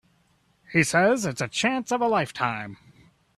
He says it's the chance of a lifetime.